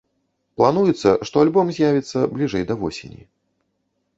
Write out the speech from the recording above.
Плануецца, што альбом з'явіцца бліжэй да восені.